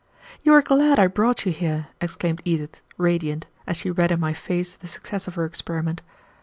"You are glad I brought you here," exclaimed Edith, radiant, as she read in my face the success of her experiment.